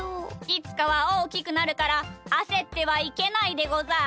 いつかはおおきくなるからあせってはいけないでござる。